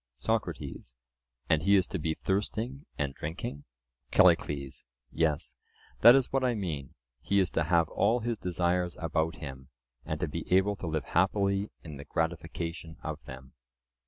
SOCRATES: And he is to be thirsting and drinking? CALLICLES: Yes, that is what I mean; he is to have all his desires about him, and to be able to live happily in the gratification of them.